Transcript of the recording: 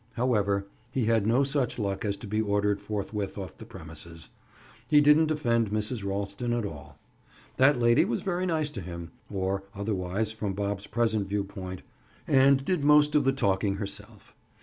However, he had no such luck as to be ordered forthwith off the premises. He didn't offend Mrs. Ralston at all. That lady was very nice to him (or otherwise, from Bob's present view point) and did most of the talking herself.